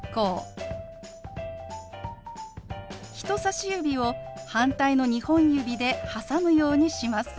人さし指を反対の２本指で挟むようにします。